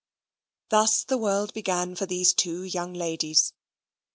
Thus the world began for these two young ladies.